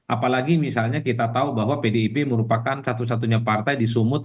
apalagi misalnya kita tahu bahwa pdip merupakan satu satunya partai di sumut